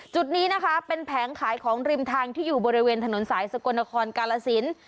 จุดนี้นะคะเป็นแผงขายของริมทางที่อยู่บริเวณถนนสายสกลนครกาลสิน